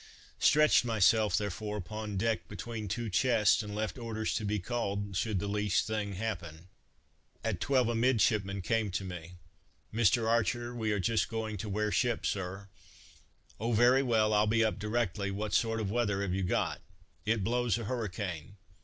Stretched myself, therefore, upon deck between two chests, and left orders to be called, should the least thing happen. At twelve a midshipman came to me: "Mr. Archer, we are just going to wear ship, Sir!" "O, very well, I'll be up directly, what sort of weather have you got?" "It blows a hurricane."